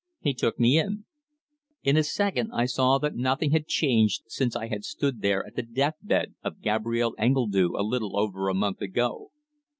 He took me in. In a second I saw that nothing had been changed since I had stood there at the death bed of Gabrielle Engledue a little over a month ago.